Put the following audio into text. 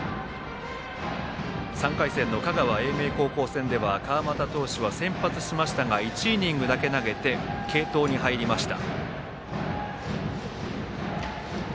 ３回戦の香川・英明高校戦では川又投手は先発しましたが１イニングだけ投げて継投に入りました。